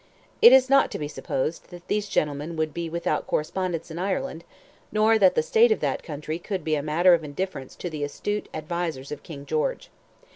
It is not to be supposed that these gentlemen would be without correspondents in Ireland, nor that the state of that country could be a matter of indifference to the astute advisers of King George.